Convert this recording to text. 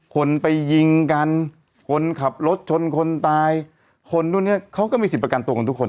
คนไปยิงกันคนขับรถชนคนตายคนนู่นเนี่ยเขาก็มีสิทธิประกันตัวกันทุกคน